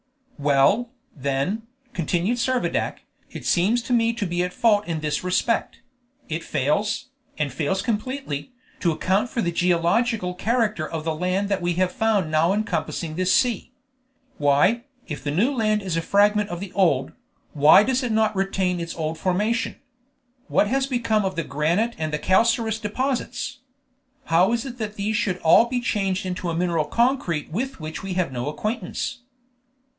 "Well, then," continued Servadac, "it seems to me to be at fault in this respect: it fails, and fails completely, to account for the geological character of the land that we have found now encompassing this sea. Why, if the new land is a fragment of the old why does it not retain its old formation? What has become of the granite and the calcareous deposits? How is it that these should all be changed into a mineral concrete with which we have no acquaintance?"